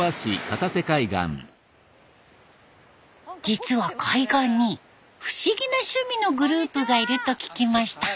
実は海岸に不思議な趣味のグループがいると聞きました。